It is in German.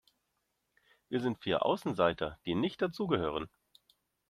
Wir sind vier Außenseiter, die nicht dazu gehören